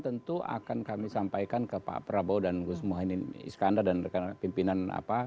tentu akan kami sampaikan ke pak prabowo dan gus mohaimin iskandar dan rekan rekan pimpinan apa